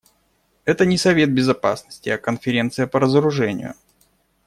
Это не Совет Безопасности, а Конференция по разоружению.